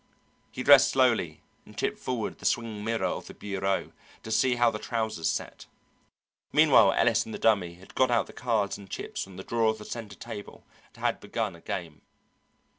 He dressed slowly and tipped forward the swinging mirror of the bureau to see how the trousers set. Meanwhile Ellis and the Dummy had got out the cards and chips from the drawer of the centre table and had begun a game.